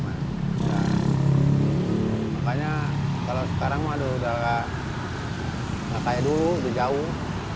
makanya kalau sekarang waduh udah nggak kayak dulu udah jauh